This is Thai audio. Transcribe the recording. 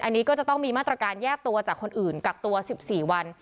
อันนี้ก็จะต้องมีมาตรการแยกตัวจากคนอื่นกักตัว๑๔วัน